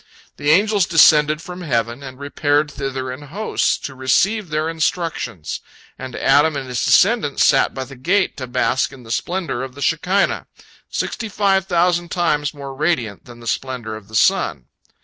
The angels descended from heaven and repaired thither in hosts, to receive their instructions, and Adam and his descendants sat by the gate to bask in the splendor of the Shekinah, sixty five thousand times more radiant than the splendor of the sun.